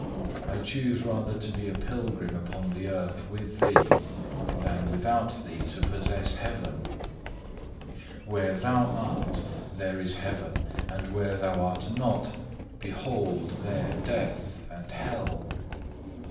I choose rather to be a pilgrim upon the earth with Thee than without Thee to possess heaven. Where Thou art, there is heaven; and where Thou are not, behold there death and hell.